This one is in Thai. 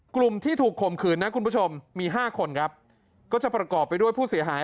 กลุ่มที่ถูกข่มขืนมี๕คนก็จะประกอบไปด้วยผู้เสียหาย